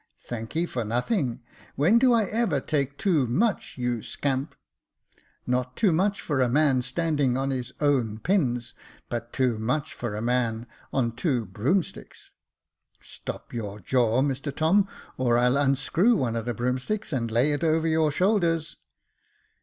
" Thanky for nothing ; when do I ever take too much, you scamp ?"" Not too much for a man standing on his own pins, but too much for a man on two broomsticks." " Stop your jaw, Mr Tom, or I'll unscrew one of the broomsticks, and lay it over your shoulders."